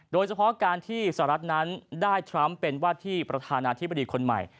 โดยเฉพาะการที่สหรัฐนั้นได้ทรัมป์เป็นวาดที่ประธานาธิบดีคนใหม่